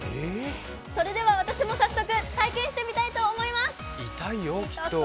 それでは私も早速体験してみたいと思います。